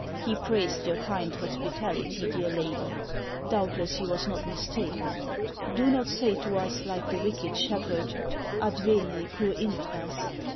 He praised your kind hospitality, dear lady ; doubtless he was not mistaken. Do not say to us, like the wicked shepherd, 'Advene, cur intras?'